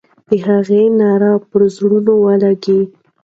د هغې ناره به پر زړونو ولګي.